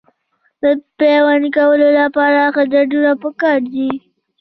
د پیوند کولو لپاره ښه ډډونه پکار دي.